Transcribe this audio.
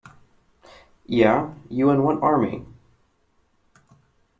Yeah, you and what army?